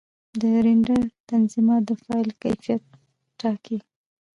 د رېنډر تنظیمات د فایل کیفیت ټاکي.